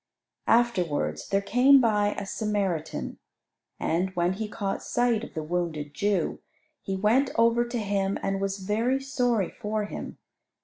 Afterwards there came by a Samaritan, and, when he caught sight of the wounded Jew, he went over to him and was very sorry for him.